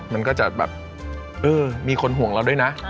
มันก็จะแบบเออมีคนห่วงเราด้วยนะ